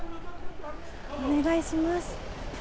お願いします。